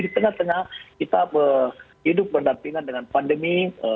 di tengah tengah kita hidup berdampingan dengan pandemi